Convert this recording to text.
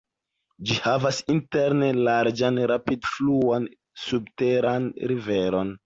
Ĝi havas interne larĝan rapid-fluan subteran riveron.